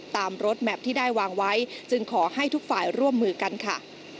ตามรถแมพที่ได้วางไว้จึงขอให้ทุกฝ่ายร่วมมือกันค่ะ